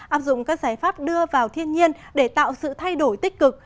áp dụng các giải pháp đưa vào thiên nhiên để tạo sự thay đổi tích cực